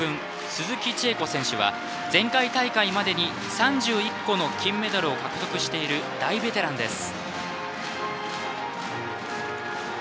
鈴木千絵子選手は前回大会までに３１個の金メダルを獲得している大ベテランです。